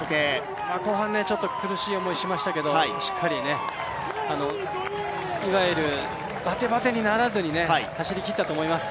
後半ちょっと苦しい思いをしましたけどもしっかり、いわゆるバテバテにならずに走りきったと思います。